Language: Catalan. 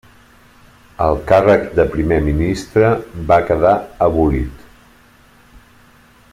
El càrrec de primer ministre va quedar abolit.